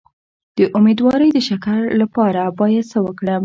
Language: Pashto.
د امیدوارۍ د شکر لپاره باید څه وکړم؟